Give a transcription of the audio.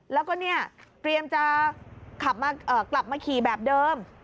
แล้วก็เนี่ยเตรียมจะกลับมาขี่แบบเดิม